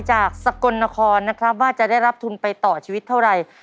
จากสกลนครว่าจะรับทุนไปต่อชีวิตเท่าไร